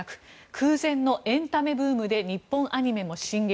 空前のエンタメブームで日本アニメも進撃。